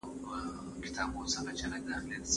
تاسو باید د تحقیق لپاره نوې لارې ولټوئ.